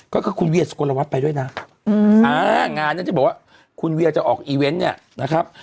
ก็คือคุณเวียสุกลวัตรไปด้วยนะงานนั้นจะบอกว่าคุณเวียจะออกอีเวนต์เนี่ยนะครับ